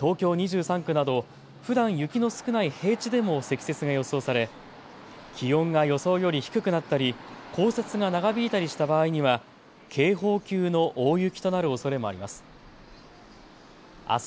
東京２３区など、ふだん雪の少ない平地でも積雪が予想され気温が予想より低くなったり降雪が長引いたりした場合には警報級の大雪となるおそれもあります。